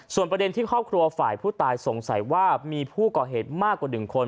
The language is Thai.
ส่วนประเด็นที่ครอบครัวฝ่ายผู้ตายสงสัยว่ามีผู้ก่อเหตุมากกว่า๑คน